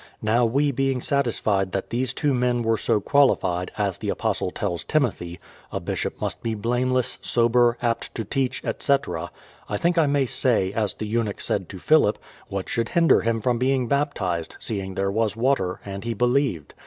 Now, we being satisfied that these two men Avere so qualified, as the apostle tells Timothy: A bishop must be blameless, sober, apt to teach, etc., — I think I may say, as the eunuch said to Philip: What should hinder him from being baptised, seeing there was water, and he believed.